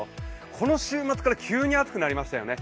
この週末から急に暑くなりましたよね。